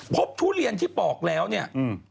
ทุเรียนที่ปอกแล้วเนี่ย